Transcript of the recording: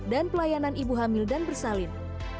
dan pelayanan ibu hamil dan bersalin